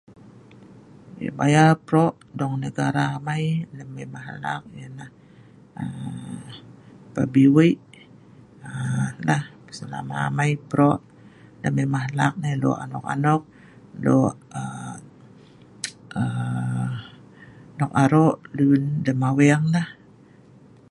Bayal' pro' dong negara amai, lem Imah pinah pelabi wei', aaa nah Selama amai pro lem Imah lang nai, lo' aaa lo' nok aro' leun lem aweng nah